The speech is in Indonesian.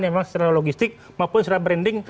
memang secara logistik maupun secara branding